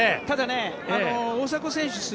ただ、大迫選手